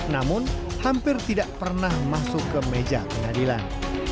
namun hampir tidak pernah masuk ke meja pengadilan